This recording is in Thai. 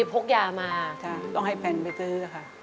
ใช่ต้องให้แผ่นไปซื้อค่ะ